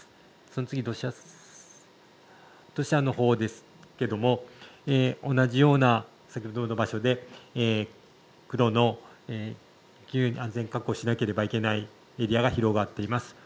その次は土砂の方ですけれども同じような、先ほどの場所で黒の安全確保しなければいけないエリアが広がっています。